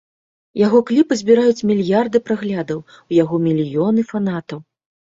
Яго кліпы збіраюць мільярды праглядаў, у яго мільёны фанатаў.